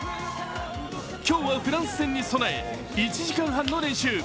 今日はフランス戦に備え１時間半の練習。